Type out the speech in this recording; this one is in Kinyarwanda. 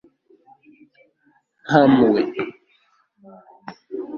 nta mpuhwe